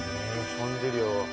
シャンデリア。